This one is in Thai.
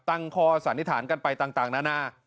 ตั้งข้อสันนิษฐานกันไปต่างนานา